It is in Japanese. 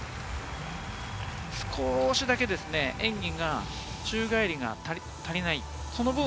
少しだけ演技が、宙返りが足りない。